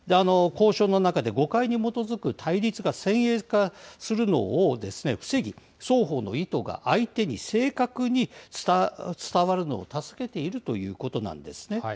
交渉の中で誤解に基づく対立が先鋭化するのを防ぎ、双方の意図が相手に正確に伝わるのを助けているということなんですね。